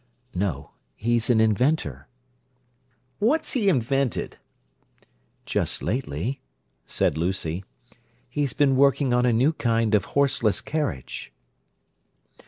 "No. He's an inventor." "What's he invented?" "Just lately," said Lucy, "he's been working on a new kind of horseless carriage."